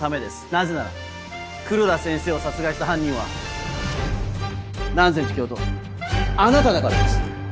なぜなら黒田先生を殺害した犯人は南禅寺教頭あなただからです。